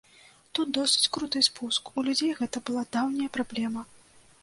Тут досыць круты спуск, у людзей гэта была даўняя праблема.